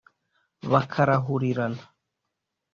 bakarahurirana